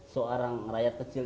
seorang rakyat kecil